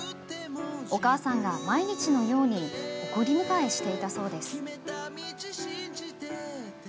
お母さんが毎日のように送り迎えしていたそうです。